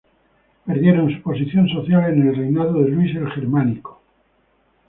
Perdieron su posición social en el reinado de Luis el Germánico.